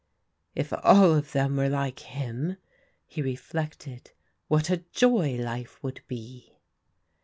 "If all of them were like him/' he reflected, " what a joy life would be."